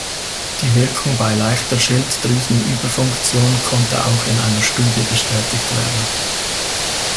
Die Wirkung bei leichter Schilddrüsenüberfunktion konnte auch in einer Studie bestätigt werden.